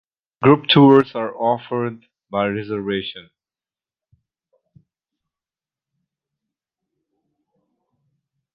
Group tours are offered by reservation.